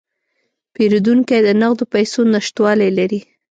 پیرودونکی د نغدو پیسو نشتوالی لري.